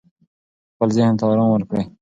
خپل ذهن ته آرام ورکړئ.